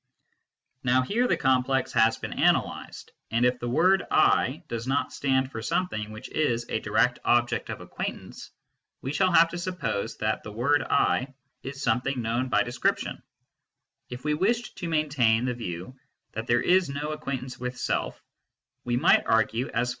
Now here the complex has been analysed, and if " I " does not stand for something which is a direct object of acquaint ance, we shall have to syppose that " I is something kno wr^ by description , af we wished to maintain the view thai. there is nn acquaiutajic^jwith Self, we might argue a,s...